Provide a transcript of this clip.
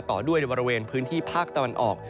ต่อด้วยในบริเวณพื้นที่ภาคตะวันออก